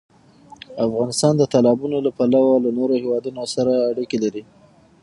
افغانستان د تالابونه له پلوه له نورو هېوادونو سره اړیکې لري.